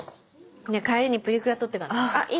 帰りにプリクラ撮ってかない？